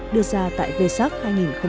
nó tại vesak hai nghìn một mươi chín